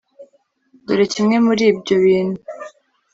dore kimwe muri ibyo bintu